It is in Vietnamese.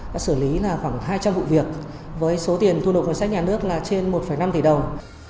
đã xử lý khoảng hai trăm linh vụ việc với số tiền thu nộp ngân sách nhà nước là trên một năm tỷ đồng